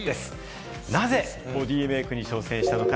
なぜボディメイクに挑戦したのか？